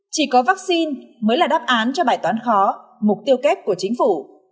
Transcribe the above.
chỉ có vắc xin mới là đáp án cho bài toán khó mục tiêu kép của chính phủ